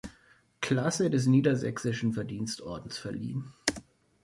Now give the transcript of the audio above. Klasse des Niedersächsischen Verdienstordens verliehen.